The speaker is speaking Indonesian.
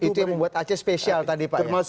itu yang membuat aceh spesial tadi pak